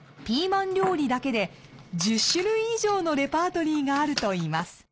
ピーマン料理だけで１０種類以上のレパートリーがあるといいます。